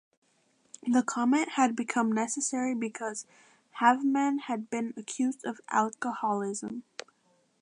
The comment had become necessary because Havemann had been accused of alcoholism.